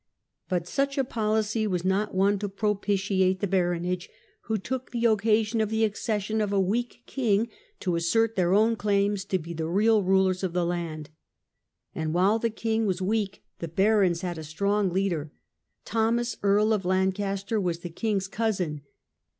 But such a policy was not one to propitiate the baronage, Strength of who took the occasion of the accession of a the Baronage, ^eak king to assert their own claims to be the real rulers of the land. And while the king was weak the barons had a strong leader. Thomas, Earl of Lancaster, was the king's cousin.